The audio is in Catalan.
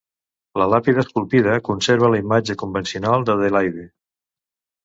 La làpida esculpida conserva la imatge convencional d'Adelaide.